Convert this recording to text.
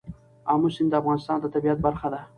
آمو سیند د افغانستان د طبیعت برخه ده.